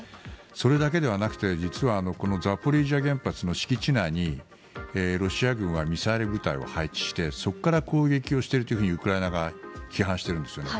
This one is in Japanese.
それだけではなくて実はザポリージャ原発の敷地内にロシア軍はミサイル部隊を配置してそこから攻撃をしているとウクライナ側は批判しているんですよね。